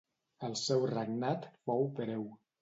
El seu regnat fou breu.